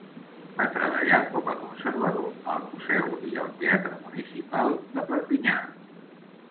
Va treballar com a conservador al museu i al teatre municipal de Perpinyà.